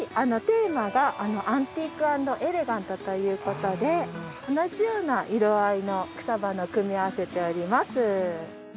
テーマが「アンティーク＆エレガント」ということで同じような色合いの草花を組み合わせております。